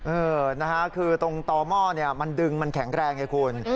เออนะฮะคือตรงต่อหม้อเนี่ยมันดึงมันแข็งแรงไงคุณ